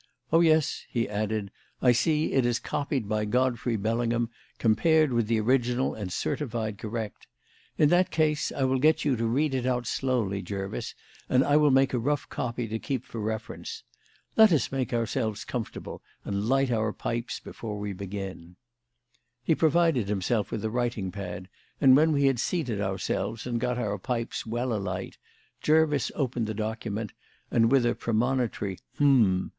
"Oh, yes," he added, "I see it is copied by Godfrey Bellingham, compared with the original and certified correct. In that case I will get you to read it out slowly, Jervis, and I will make a rough copy to keep for reference. Let us make ourselves comfortable and light our pipes before we begin." He provided himself with a writing pad, and, when we had seated ourselves and got our pipes well alight, Jervis opened the document, and with a premonitory "hem!"